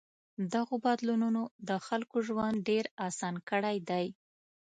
دغو بدلونونو د خلکو ژوند ډېر آسان کړی دی.